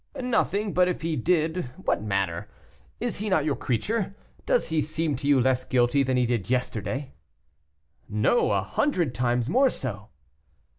"Nothing; but if he did, what matter? is he not your creature? Does he seem to you less guilty than he did yesterday?" "No, a hundred times more so."